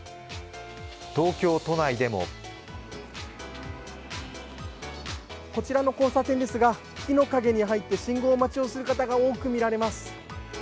東京都内でもこちらの交差点ですが、木の陰に入って信号待ちをする方が多く見られます。